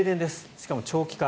しかも長期化。